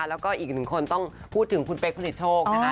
และอีกหนึ่งคนต้องพูดถึงคุณเปู้ศิษย์โชคนะคะ